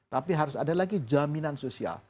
tapi harus ada lagi jaminan sosial